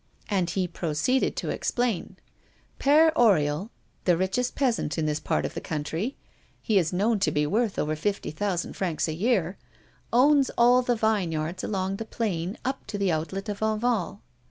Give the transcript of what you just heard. And he proceeded to explain. "Père Oriol the richest peasant in this part of the country he is known to be worth over fifty thousand francs a year owns all the vineyards along the plain up to the outlet of Enval.